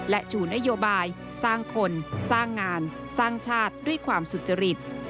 และชูนโยบายสร้างคนสร้างงานสร้างชาติด้วยความสุจริต